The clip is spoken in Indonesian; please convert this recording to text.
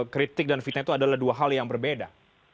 kritik dan fitnah itu adalah dua hal yang berbeda